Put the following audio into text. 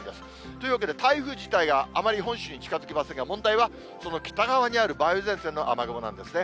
というわけで台風自体があまり本州に近づきませんが、問題はその北側にある梅雨前線の雨雲なんですね。